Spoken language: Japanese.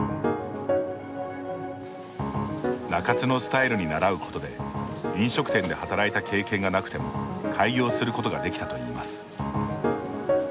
中津のスタイルに倣うことで飲食店で働いた経験がなくても開業することができたといいます。